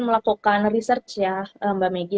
melakukan research ya mbak megi